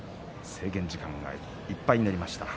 制限時間がいっぱいになりました。